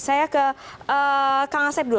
saya ke kang asep dulu